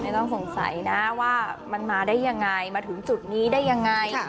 ต้องสงสัยนะว่ามันมาได้ยังไงมาถึงจุดนี้ได้ยังไง